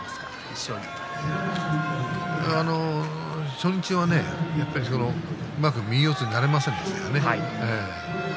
初日はねうまく右四つになれませんでしたよね。